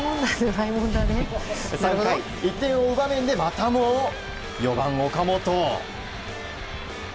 ３回、１点を追う場面でまたも４番、岡本。